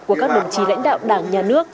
của các đồng chí lãnh đạo đảng nhà nước